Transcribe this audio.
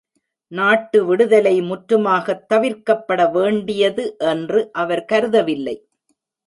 நாட்டு விடுதலை முற்றுமாகத் தவிர்க்கப்பட வேண்டியது என்று அவர் கருதவில்லை.